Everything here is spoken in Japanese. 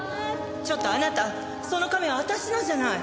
ちょっとあなたそのカメオ私のじゃない！？